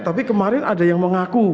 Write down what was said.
tapi kemarin ada yang mengaku